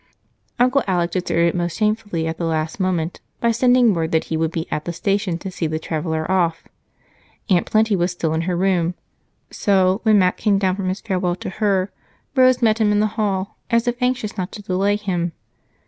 Uncle Alec deserted most shamefully at the last moment by sending word that he would be at the station to see the traveler off, Aunt Plenty was still in her room, so when Mac came down from his farewell to her, Rose met him in the hall, as if anxious not to delay him.